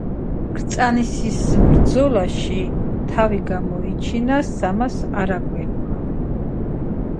გარდა ამისა, განვითარებულია კვების მრეწველობა, მეტალის დამუშავება და სხვა.